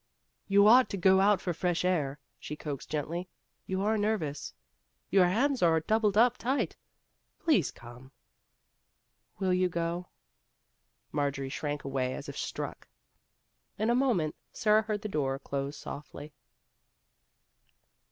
" You ought to go out for fresh air," she coaxed gently ;" you are nervous. Your hands are doubled up tight. Please come." " Will you go ?" Marjorie shrank away as if struck. In a moment Sara heard the door close softly.